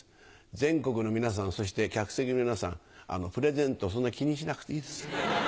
全国の皆さんそして客席の皆さんプレゼントそんな気にしなくていいです。